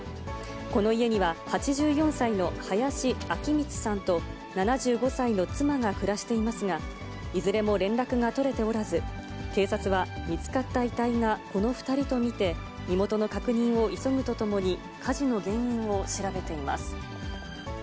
この家には、８４歳の林明光さんと、７５歳の妻が暮らしていますが、いずれも連絡が取れておらず、警察は見つかった遺体がこの２人と見て、身元の確認を急ぐとともに、火事の原因を調べています。